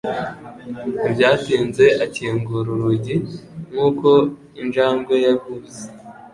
Ntibyatinze akingura urugi nkuko injangwe yabuze.